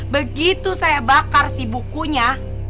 begitu saya bakar si bukunya